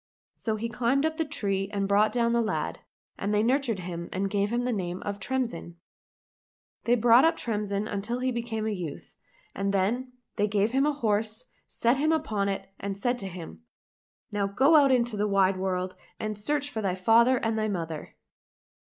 So he climbed up the tree and brought down the lad, and they nurtured him and gave him the name of Tremsin. They brought up Tremsin until he became a youth, and then they gave him a horse, set him upon it, and said to him, " Now go out into the wide world and search for thy father and thy mother